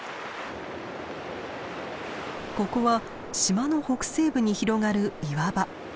ここは島の北西部に広がる岩場。